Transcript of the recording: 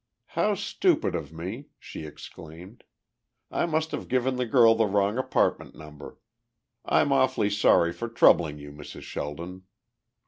"How stupid of me!" she exclaimed. "I must have given the girl the wrong apartment number. I'm awfully sorry for troubling you, Mrs. Sheldon."